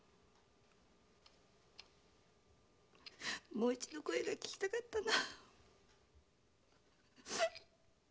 もう一度声が聞きたかったな。